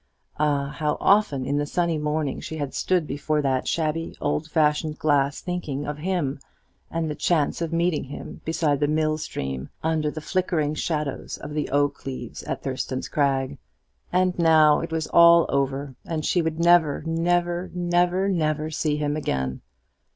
Ah, how often in the sunny morning she had stood before that shabby old fashioned glass thinking of him, and the chance of meeting him beside the mill stream, under the flickering shadows of the oak leaves at Thurston's Crag! And now it was all over, and she would never, never, never, never see him again!